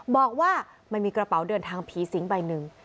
บอกว่ามันมีกระเป๋าเดินทางผีสิงใบหนึ่ง